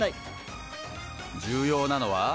重要なのは？